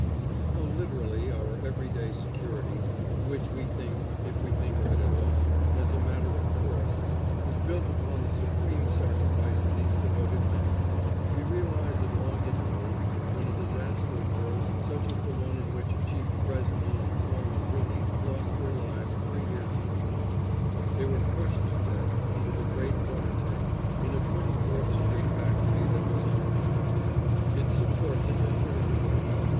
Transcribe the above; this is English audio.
How literally our every day security of which we think, if we think of it at all, as a mere matter of course is built upon the supreme sacrifice of these devoted men, we realize at long intervals, when a disaster occurs such as the one in which Chief Bresnan and Foreman Rooney lost their lives three years ago. They were crushed to death under the great water tank in a Twenty fourth street factory that was on fire. Its supports had been burned away.